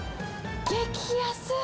激安。